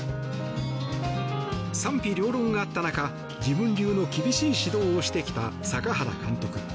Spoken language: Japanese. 賛否両論あった中自分流の厳しい指導をしてきた坂原監督。